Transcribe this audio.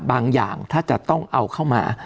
บางอย่างถ้าจะต้องเอาเข้ามา